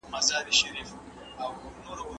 ما مخکي د سبا لپاره د ليکلو تمرين کړی وو..